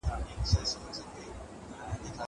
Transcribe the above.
که وخت وي، د کتابتون کتابونه لوستل کوم!!